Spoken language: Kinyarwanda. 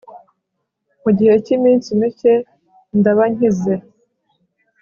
mugihe cyiminsi mike ndaba nkize